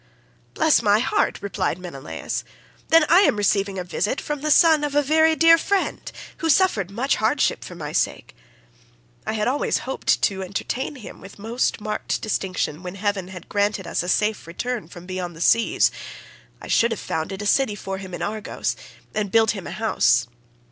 "Bless my heart," replied Menelaus, "then I am receiving a visit from the son of a very dear friend, who suffered much hardship for my sake. I had always hoped to entertain him with most marked distinction when heaven had granted us a safe return from beyond the seas. I should have founded a city for him in Argos, and built him a house.